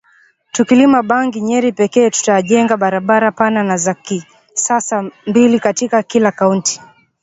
Tukilima bangi Nyeri pekee tutajenga barabara pana na za kisasa mbili katika kila kaunti